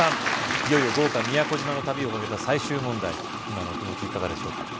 いよいよ豪華宮古島の旅をかけた最終問題今のお気持ちいかがでしょうか？